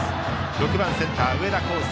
６番センター、上田耕晟。